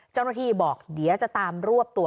เจ้าหน้าที่บอกเดี๋ยวจะตามรวบตัว